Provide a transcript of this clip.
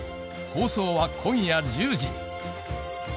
放送は今夜１０時。